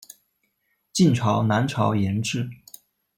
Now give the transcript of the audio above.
晋朝南朝沿置。